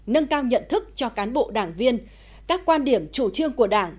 nâng cao nhận thức cho cán bộ đảng viên các quan điểm chủ trương của đảng